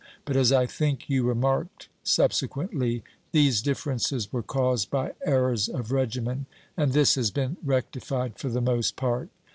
But, as I think you remarked subsequently, these differences were caused by errors of regimen, and this has been rectified for the most part.